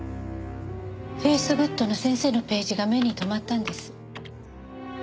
ｆａｃｅｇｏｏｄの先生のページが目に留まったんです。